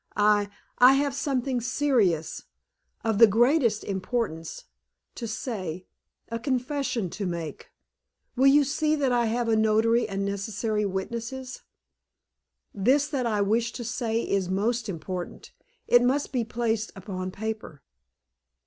I I have something serious of the greatest importance to say, a confession to make. Will you see that I have a notary and necessary witnesses? This that I wish to say is most important; it must be placed upon paper."